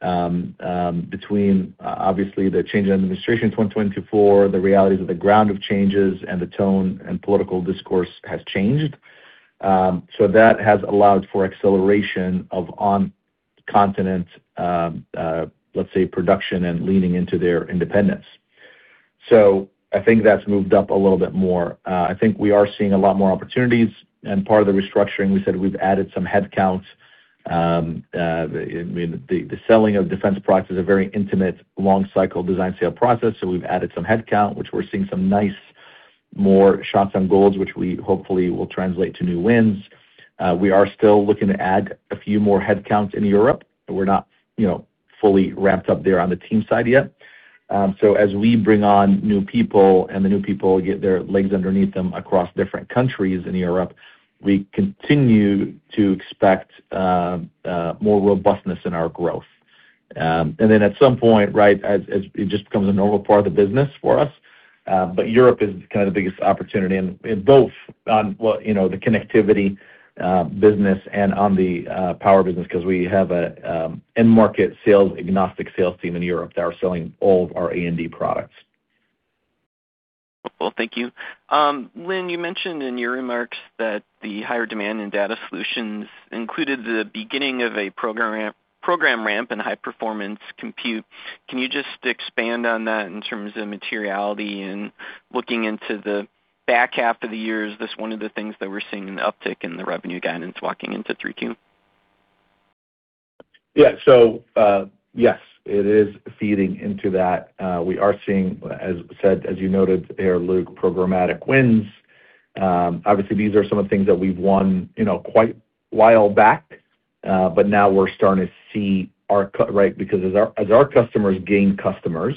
Speaker 3: between, obviously, the change in administration in 2024, the realities of the ground of changes, the tone and political discourse has changed. That has allowed for acceleration of on-continent, let's say, production and leaning into their independence. I think that's moved up a little bit more. I think we are seeing a lot more opportunities, part of the restructuring, we said we've added some headcounts. The selling of defense products is a very intimate, long-cycle design sale process, we've added some headcount, which we're seeing some nice more shots on goals, which we hopefully will translate to new wins. We are still looking to add a few more headcounts in Europe. We're not fully ramped up there on the team side yet. As we bring on new people and the new people get their legs underneath them across different countries in Europe, we continue to expect more robustness in our growth. At some point, as it just becomes a normal part of the business for us. Europe is kind of the biggest opportunity in both on the connectivity business and on the power business because we have an end-market sales agnostic sales team in Europe that are selling all of our A&D products.
Speaker 9: Well, thank you. Lynn, you mentioned in your remarks that the higher demand in data solutions included the beginning of a program ramp in high performance compute. Can you just expand on that in terms of materiality and looking into the back half of the year? Is this one of the things that we're seeing an uptick in the revenue guidance walking into 3Q?
Speaker 3: Yeah. Yes, it is feeding into that. We are seeing, as you noted there, Luke, programmatic wins. Obviously, these are some of the things that we've won quite a while back, but now we're starting to see our cut because as our customers gain customers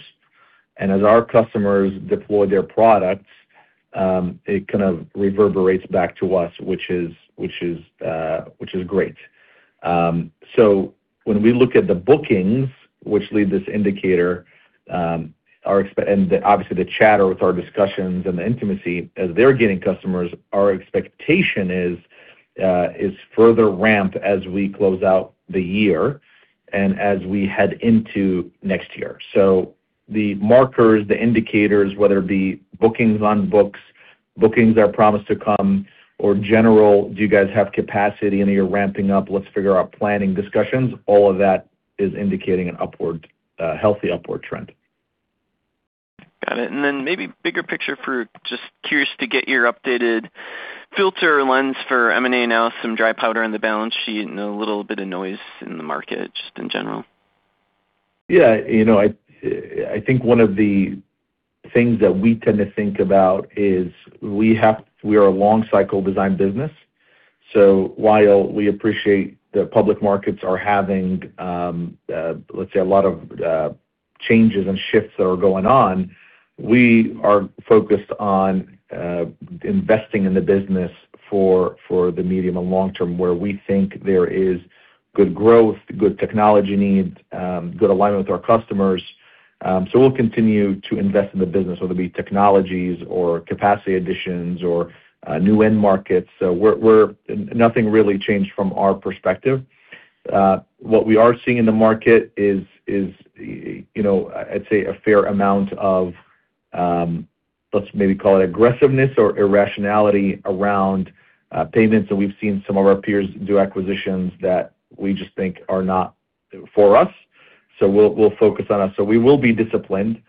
Speaker 3: and as our customers deploy their products, it kind of reverberates back to us, which is great. When we look at the bookings, which lead this indicator, and obviously the chatter with our discussions and the intimacy as they're getting customers, our expectation is further ramp as we close out the year and as we head into next year. The markers, the indicators, whether it be bookings on books, bookings are promised to come, or general, do you guys have capacity and are you ramping up? Let's figure out planning discussions. All of that is indicating a healthy upward trend.
Speaker 9: Got it. Maybe bigger picture, Farouq, just curious to get your updated filter lens for M&A, now some dry powder on the balance sheet and a little bit of noise in the market, just in general.
Speaker 3: Yeah. I think one of the things that we tend to think about is we are a long cycle design business. While we appreciate the public markets are having, let's say, a lot of changes and shifts that are going on, we are focused on investing in the business for the medium and long term, where we think there is good growth, good technology needs, good alignment with our customers. We'll continue to invest in the business, whether it be technologies or capacity additions or new end markets. Nothing really changed from our perspective. What we are seeing in the market is, I'd say, a fair amount of, let's maybe call it aggressiveness or irrationality around payments, and we've seen some of our peers do acquisitions that we just think are not for us. We'll focus on us. We will be disciplined.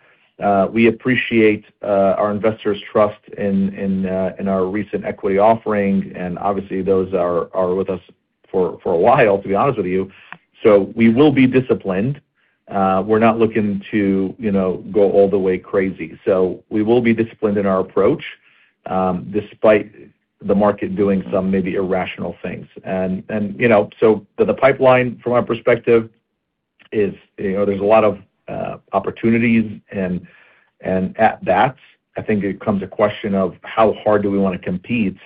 Speaker 3: We appreciate our investors' trust in our recent equity offering, and obviously those are with us for a while, to be honest with you. We will be disciplined. We're not looking to go all the way crazy. We will be disciplined in our approach, despite the market doing some maybe irrational things. The pipeline from our perspective is there's a lot of opportunities, and at that, I think it comes a question of how hard do we want to compete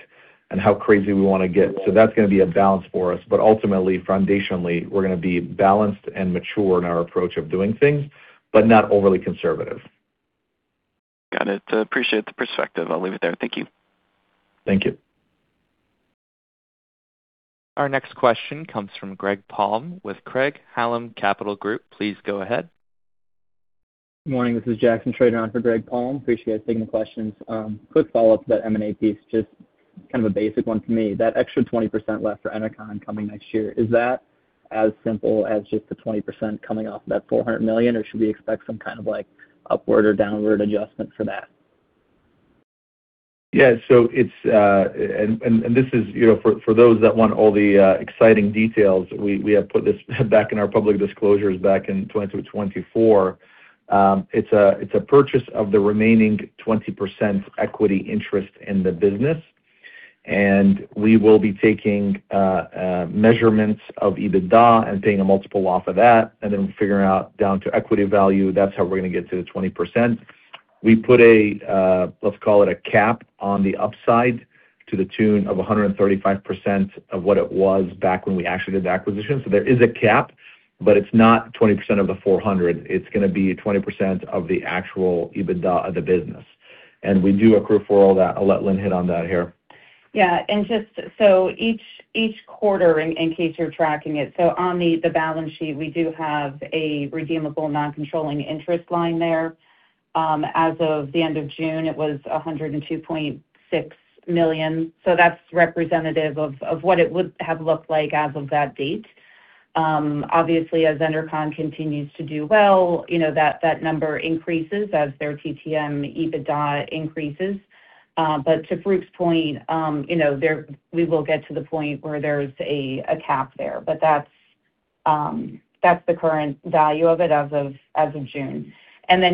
Speaker 3: and how crazy we want to get. That's going to be a balance for us. Ultimately, foundationally, we're going to be balanced and mature in our approach of doing things, but not overly conservative.
Speaker 9: Got it. Appreciate the perspective. I'll leave it there. Thank you.
Speaker 3: Thank you.
Speaker 1: Our next question comes from Greg Palm with Craig-Hallum Capital Group. Please go ahead.
Speaker 10: Good morning. This is Jackson Treg on for Greg Palm. Appreciate you guys taking the questions. Quick follow-up to that M&A piece, just kind of a basic one for me. That extra 20% left for Enercon coming next year, is that as simple as just the 20% coming off that $400 million? Should we expect some kind of upward or downward adjustment for that?
Speaker 3: Yeah. This is for those that want all the exciting details, we have put this back in our public disclosures back in 2024. It's a purchase of the remaining 20% equity interest in the business, and we will be taking measurements of EBITDA and taking a multiple off of that, and then figuring out down to equity value. That's how we're going to get to the 20%. We put a, let's call it, a cap on the upside to the tune of 135% of what it was back when we actually did the acquisition. There is a cap, but it's not 20% of the $400. It's going to be 20% of the actual EBITDA of the business. We do accrue for all that. I'll let Lynn hit on that here.
Speaker 4: Yeah. Each quarter, in case you're tracking it, so on the balance sheet, we do have a redeemable non-controlling interest line there. As of the end of June, it was $102.6 million. That's representative of what it would have looked like as of that date. Obviously, as Enercon continues to do well, that number increases as their TTM EBITDA increases. To Farouq's point, we will get to the point where there's a cap there, but that's the current value of it as of June.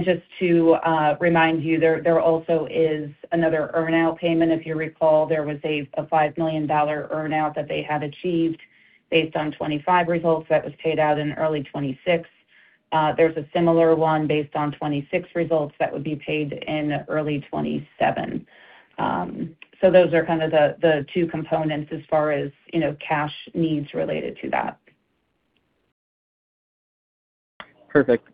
Speaker 4: Just to remind you, there also is another earn-out payment. If you recall, there was a $5 million earn-out that they had achieved based on 2025 results that was paid out in early 2026. There's a similar one based on 2026 results that would be paid in early 2027. Those are kind of the two components as far as cash needs related to that.
Speaker 10: Perfect.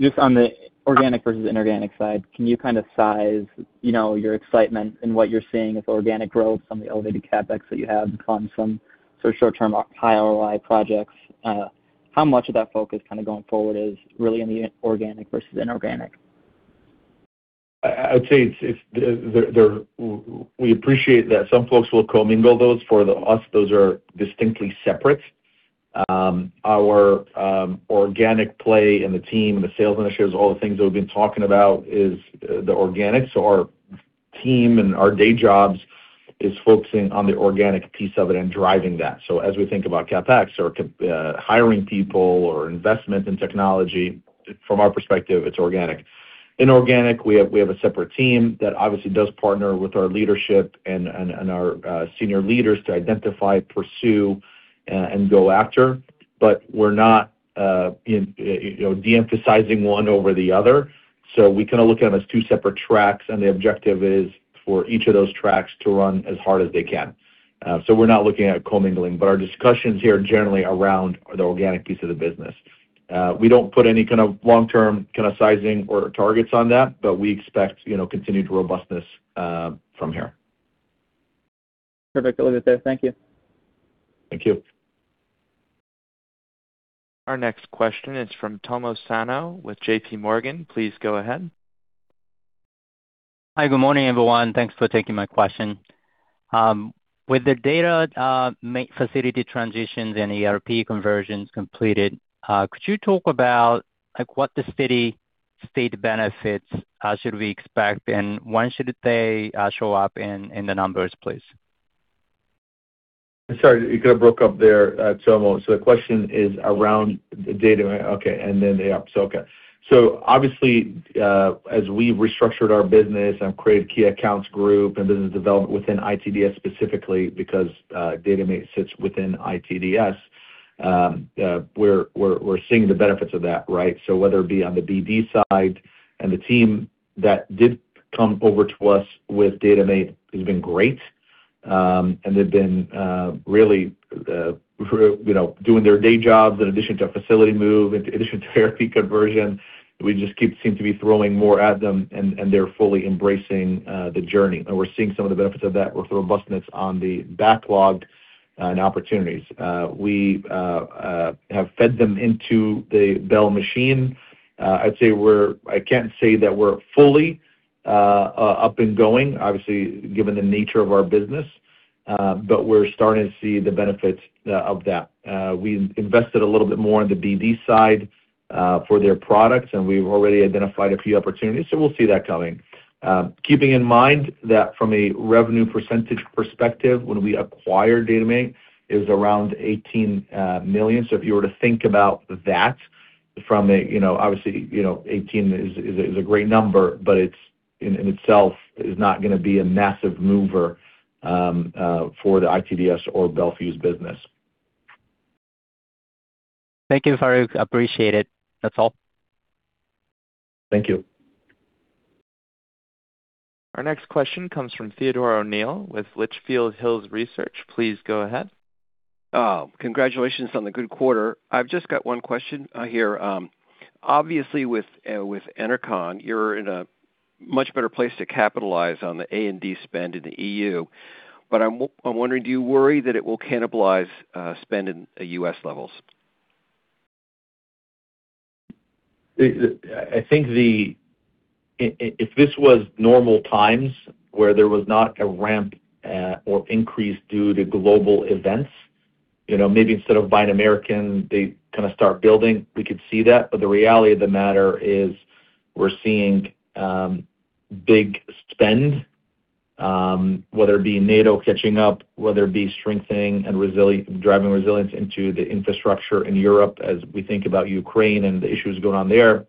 Speaker 10: Just on the organic versus inorganic side, can you kind of size your excitement in what you're seeing with organic growth on the elevated CapEx that you have on some sort of short-term high ROI projects? How much of that focus kind of going forward is really in the organic versus inorganic?
Speaker 3: I would say we appreciate that some folks will commingle those. For us, those are distinctly separate. Our organic play and the team and the sales initiatives, all the things that we've been talking about is the organic. Our team and our day jobs is focusing on the organic piece of it and driving that. As we think about CapEx or hiring people or investment in technology, from our perspective, it's organic. Inorganic, we have a separate team that obviously does partner with our leadership and our senior leaders to identify, pursue, and go after. We're not de-emphasizing one over the other. We kind of look at them as two separate tracks, and the objective is for each of those tracks to run as hard as they can. We're not looking at commingling, but our discussions here are generally around the organic piece of the business. We don't put any kind of long-term kind of sizing or targets on that, but we expect continued robustness from here.
Speaker 10: Perfect. I'll leave it there. Thank you.
Speaker 3: Thank you.
Speaker 1: Our next question is from Tomo Sano with JPMorgan. Please go ahead.
Speaker 11: Hi, good morning, everyone. Thanks for taking my question. With the dataMate facility transitions and ERP conversions completed, could you talk about what the synergy benefits should we expect, and when should they show up in the numbers, please?
Speaker 3: Sorry, you kind of broke up there, Tomo. The question is around the data and then the app. Okay. Obviously, as we restructured our business and created a key accounts group and business development within ITDS specifically because dataMate sits within ITDS, we're seeing the benefits of that, right? Whether it be on the BD side and the team that did come over to us with dataMate has been great. They've been really doing their day jobs in addition to a facility move, in addition to ERP conversion. We just keep seem to be throwing more at them, and they're fully embracing the journey. We're seeing some of the benefits of that with robustness on the backlog and opportunities. We have fed them into the Bel machine. I can't say that we're fully up and going, obviously, given the nature of our business, but we're starting to see the benefits of that. We invested a little bit more in the BD side for their products, and we've already identified a few opportunities, we'll see that coming. Keeping in mind that from a revenue percentage perspective, when we acquired dataMate, it was around $18 million. If you were to think about that from a, obviously, $18 million is a great number, but in itself is not going to be a massive mover for the ITDS or Bel Fuse business.
Speaker 11: Thank you, Farouq. Appreciate it. That's all.
Speaker 3: Thank you.
Speaker 1: Our next question comes from Theodore O'Neill with Litchfield Hills Research. Please go ahead.
Speaker 12: Congratulations on the good quarter. I've just got one question here. Obviously, with Enercon, you're in a much better place to capitalize on the A&D spend in the EU. I'm wondering, do you worry that it will cannibalize spend in US levels?
Speaker 3: I think if this was normal times where there was not a ramp or increase due to global events, maybe instead of buying American, they kind of start building, we could see that. The reality of the matter is we're seeing big spend, whether it be NATO catching up, whether it be strengthening and driving resilience into the infrastructure in Europe as we think about Ukraine and the issues going on there.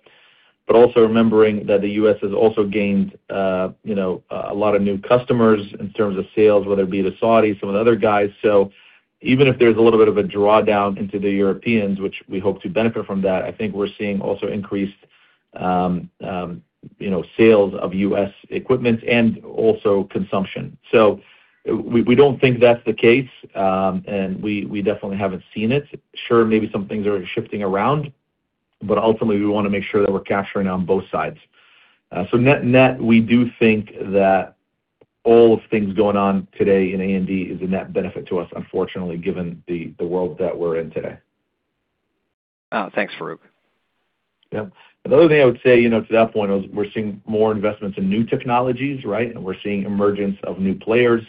Speaker 3: Also remembering that the US has also gained a lot of new customers in terms of sales, whether it be the Saudis, some of the other guys. Even if there's a little bit of a drawdown into the Europeans, which we hope to benefit from that, I think we're seeing also increased sales of US equipment and also consumption. We don't think that's the case, and we definitely haven't seen it. Sure, maybe some things are shifting around, but ultimately, we want to make sure that we're capturing on both sides. Net-net, we do think that all of things going on today in A&D is a net benefit to us, unfortunately, given the world that we're in today.
Speaker 12: Thanks, Farouq.
Speaker 3: Yeah. Another thing I would say to that point is we're seeing more investments in new technologies, right? We're seeing emergence of new players.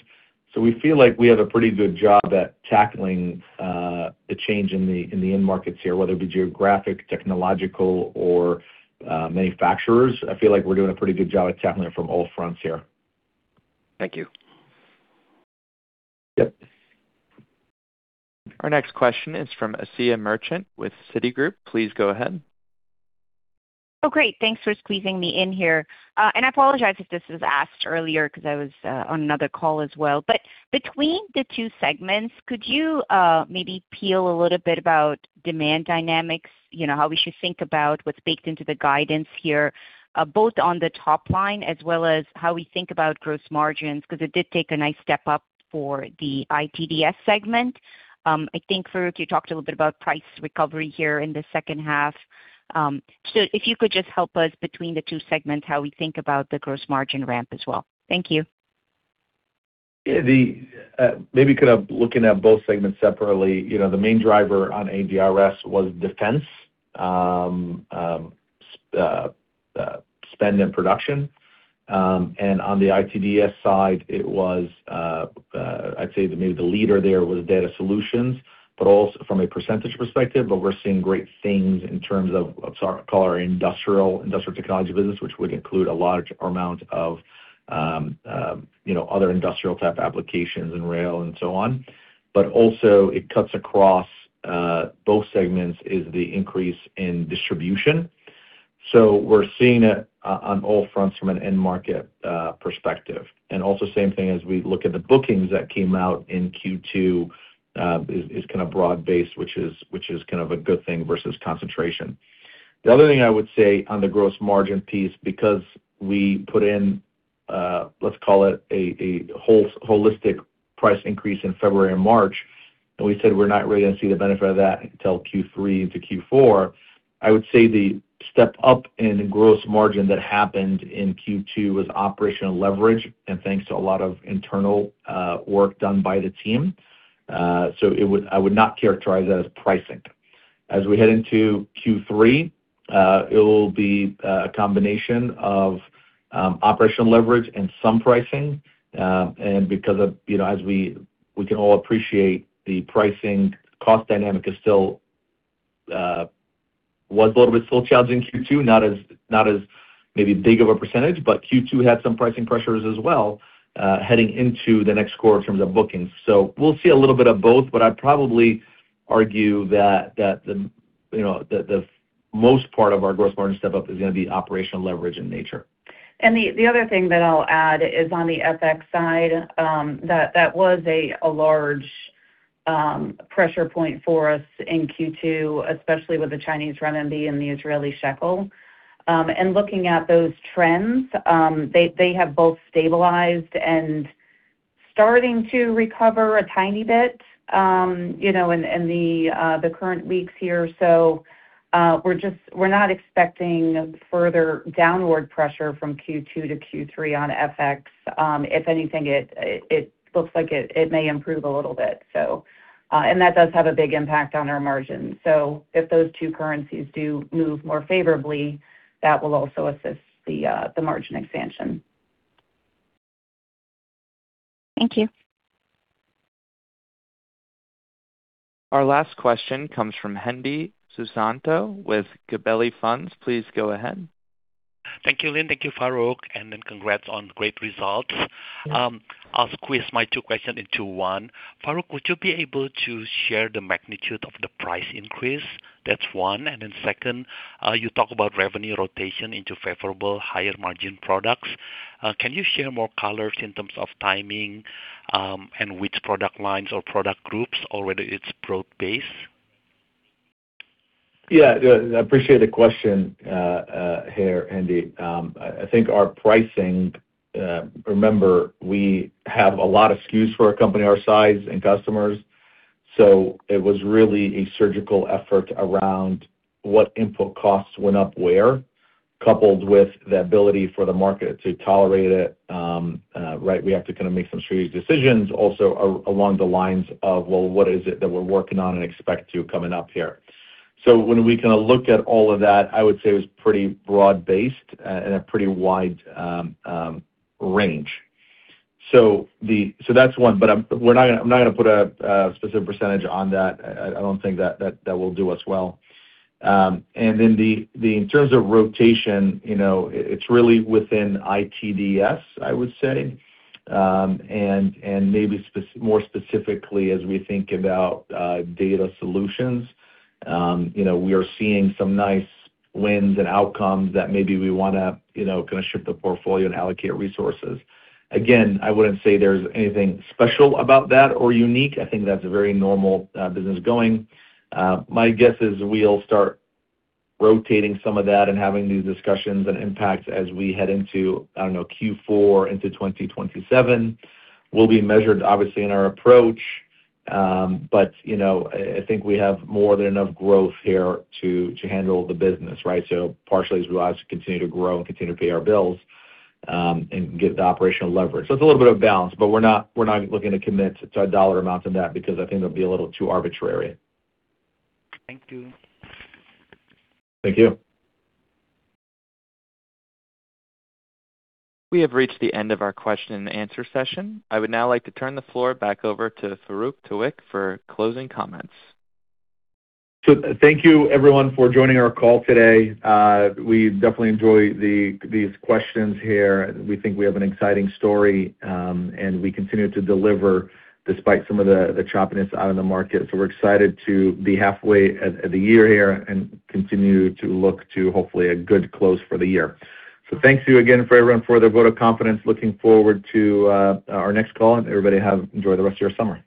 Speaker 3: We feel like we have a pretty good job at tackling the change in the end markets here, whether it be geographic, technological, or manufacturers. I feel like we're doing a pretty good job at tackling it from all fronts here.
Speaker 12: Thank you.
Speaker 3: Yep.
Speaker 1: Our next question is from Asiya Merchant with Citigroup. Please go ahead.
Speaker 13: Oh, great. Thanks for squeezing me in here. I apologize if this was asked earlier because I was on another call as well. Between the two segments, could you maybe peel a little bit about demand dynamics, how we should think about what's baked into the guidance here, both on the top line as well as how we think about gross margins? Because it did take a nice step up for the ITDS segment. I think, Farouq, you talked a little bit about price recovery here in the second half. If you could just help us between the two segments, how we think about the gross margin ramp as well. Thank you.
Speaker 3: Maybe kind of looking at both segments separately. The main driver on ADRS was defense spend and production. On the ITDS side, I'd say that maybe the leader there was data solutions from a percentage perspective. We're seeing great things in terms of, call it our industrial technology business, which would include a large amount of other industrial-type applications in rail and so on. Also it cuts across both segments is the increase in distribution. We're seeing it on all fronts from an end market perspective. Also same thing as we look at the bookings that came out in Q2 is kind of broad-based, which is kind of a good thing versus concentration. The other thing I would say on the gross margin piece, because we put in, let's call it a holistic price increase in February and March, and we said we're not really going to see the benefit of that until Q3 into Q4, I would say the step up in gross margin that happened in Q2 was operational leverage and thanks to a lot of internal work done by the team. I would not characterize that as pricing. As we head into Q3, it will be a combination of operational leverage and some pricing. Because as we can all appreciate, the pricing cost dynamic was a little bit still challenging in Q2, not as maybe big of a percentage, but Q2 had some pricing pressures as well, heading into the next quarter in terms of bookings. We'll see a little bit of both, I'd probably argue that the most part of our gross margin step up is going to be operational leverage in nature.
Speaker 4: The other thing that I'll add is on the FX side, that was a large pressure point for us in Q2, especially with the Chinese renminbi and the Israeli shekel. Looking at those trends, they have both stabilized and starting to recover a tiny bit in the current weeks here. We're not expecting further downward pressure from Q2 to Q3 on FX. If anything, it looks like it may improve a little bit. That does have a big impact on our margins. If those two currencies do move more favorably, that will also assist the margin expansion.
Speaker 13: Thank you.
Speaker 1: Our last question comes from Hendi Susanto with Gabelli Funds. Please go ahead.
Speaker 14: Thank you, Lynn. Thank you, Farouq. Congrats on great results. I'll squeeze my two questions into one. Farouq, would you be able to share the magnitude of the price increase? That's one. Second, you talk about revenue rotation into favorable higher-margin products. Can you share more color in terms of timing, and which product lines or product groups? Or whether it's broad base?
Speaker 3: I appreciate the question here, Hendi. I think our pricing, remember, we have a lot of SKUs for a company our size and customers, it was really a surgical effort around what input costs went up where, coupled with the ability for the market to tolerate it, right? We have to kind of make some strategic decisions also along the lines of, well, what is it that we're working on and expect to coming up here. When we kind of look at all of that, I would say it was pretty broad-based and a pretty wide range. That's one. I'm not going to put a specific percentage on that. I don't think that will do us well. In terms of rotation, it's really within ITDS, I would say, and maybe more specifically as we think about data solutions. We are seeing some nice wins and outcomes that maybe we want to kind of shift the portfolio and allocate resources. I wouldn't say there's anything special about that or unique. I think that's a very normal business going. My guess is we'll start rotating some of that and having these discussions and impacts as we head into, I don't know, Q4 into 2027, will be measured obviously in our approach. I think we have more than enough growth here to handle the business, right? Partially as we continue to grow and continue to pay our bills, and get the operational leverage. It's a little bit of balance, but we're not looking to commit to dollar amounts on that because I think that'd be a little too arbitrary.
Speaker 14: Thank you.
Speaker 3: Thank you.
Speaker 1: We have reached the end of our question and answer session. I would now like to turn the floor back over to Farouq Tuweiq for closing comments.
Speaker 3: Thank you everyone for joining our call today. We definitely enjoy these questions here. We think we have an exciting story, and we continue to deliver despite some of the choppiness out in the market. We're excited to be halfway at the year here and continue to look to hopefully a good close for the year. Thank you again for everyone, for the vote of confidence. Looking forward to our next call, and everybody enjoy the rest of your summer.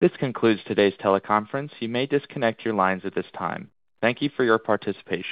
Speaker 1: This concludes today's teleconference. You may disconnect your lines at this time. Thank you for your participation.